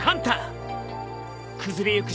崩れゆく